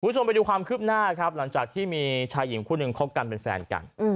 คุณผู้ชมไปดูความคืบหน้าครับหลังจากที่มีชายหญิงคู่หนึ่งคบกันเป็นแฟนกัน